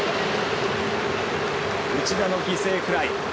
内田の犠牲フライ。